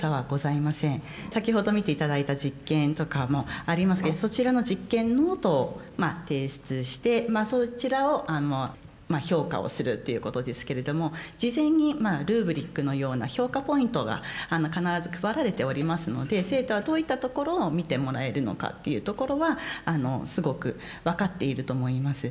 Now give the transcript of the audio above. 先ほど見て頂いた実験とかもありますけどそちらの実験ノートを提出してまあそちらを評価をするということですけれども事前にルーブリックのような評価ポイントが必ず配られておりますので生徒はどういったところを見てもらえるのかっていうところはすごく分かっていると思います。